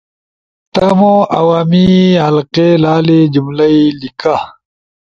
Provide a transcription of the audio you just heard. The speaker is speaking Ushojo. تمو عوامی حلقے لالی جملہ ئی لیِکا